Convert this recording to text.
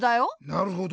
なるほど。